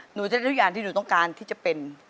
หนูจะได้ทุกอย่างที่หนูต้องการที่จะเป็น